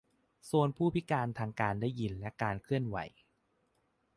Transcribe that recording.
โซนผู้พิการทางการได้ยินและการเคลื่อนไหว